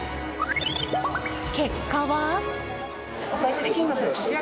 結果は。